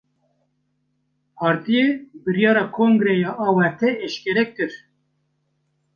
Partiyê, biryara kongreya awarte eşkere kir